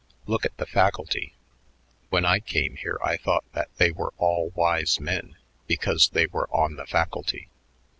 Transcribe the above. "Look at the faculty. When I came here I thought that they were all wise men because they were On the faculty.